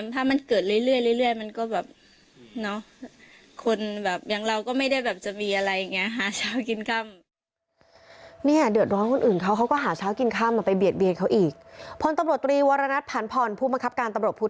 แต่ก็ไม่เจอตัวค่ะ